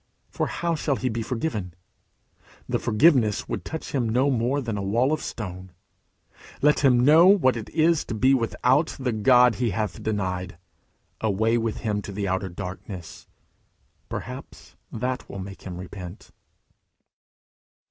For how shall he be forgiven? The forgiveness would touch him no more than a wall of stone. Let him know what it is to be without the God he hath denied. Away with him to the Outer Darkness! Perhaps that will make him repent.